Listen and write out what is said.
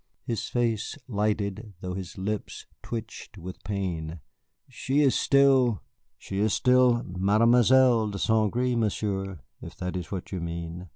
His face lighted, though his lips twitched with pain. "She is still " "She is still Mademoiselle de St. Gré, Monsieur, if that is what you mean."